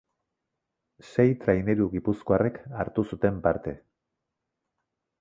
Sei traineru gipuzkoarrek hartu zuten parte.